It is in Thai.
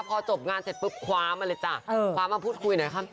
พอจบงานเสร็จปุ๊บคว้ามาเลยจ้ะคว้ามาพูดคุยหน่อยครับ